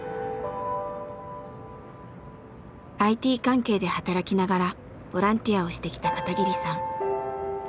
ＩＴ関係で働きながらボランティアをしてきた片桐さん。